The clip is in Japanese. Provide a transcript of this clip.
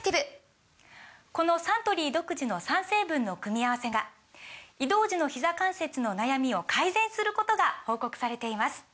このサントリー独自の３成分の組み合わせが移動時のひざ関節の悩みを改善することが報告されています